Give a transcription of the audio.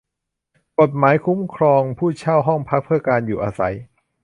กฎหมายคุ้มครองผู้เช่าห้องพักเพื่อการอยู่อาศัย